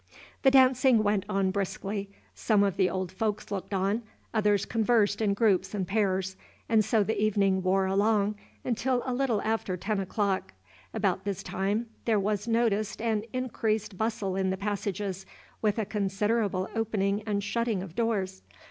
The dancing went on briskly. Some of the old folks looked on, others conversed in groups and pairs, and so the evening wore along, until a little after ten o'clock. About this time there was noticed an increased bustle in the passages, with a considerable opening and shutting of doors.